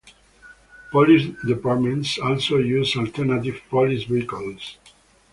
Police departments also use alternative police vehicles.